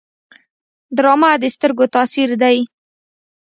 ډرامه د سترګو تاثیر دی